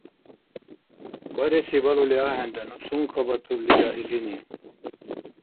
Бареси балули ахӀенра. Ну цункабатурлира илини.